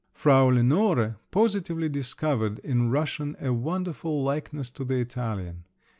Frau Lenore positively discovered in Russian a wonderful likeness to the Italian.